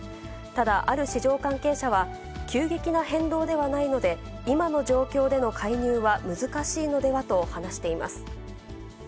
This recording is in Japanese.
ただある市場関係者は、急激な変動ではないので、今の状況での介入は難しいのではと話しています。